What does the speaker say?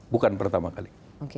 bukan pertama kali